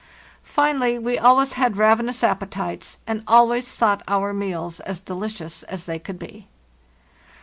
Finally, we always had raven ous appetites, and always thought our meals as delicious as they could be.